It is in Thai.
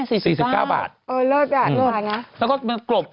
สี่สี่สิบเก้าบาทเออเลิศแต่โอ้ยแล้วนะแล้วก็เป็นกรบ